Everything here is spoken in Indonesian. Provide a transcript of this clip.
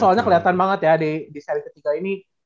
soalnya kelihatan banget ya di seri ketiga ini